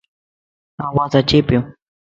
آواز اچي پيو؟